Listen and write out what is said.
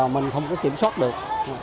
mình không có kiểm soát được